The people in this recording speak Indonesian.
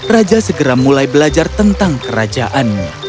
raja segera mulai belajar tentang kerajaannya